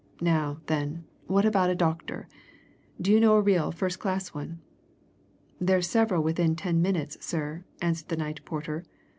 Now, then, what about a doctor? Do you know a real, first class one?" "There's several within ten minutes, sir," answered the night porter.